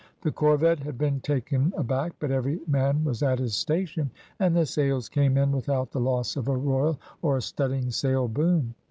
The corvette had been taken aback, but every man was at his station, and the sails came in without the loss of a royal or studding sail boom.